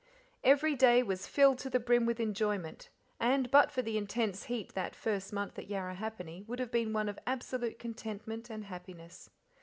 Every day was filled to the brim with enjoyment, and but for the intense heat that first month at Yarrahappini would have been one of absolute content and happiness.